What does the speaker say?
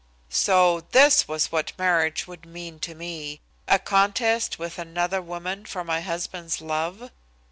So this was what marriage would mean to me, a contest with another woman for my husband's love!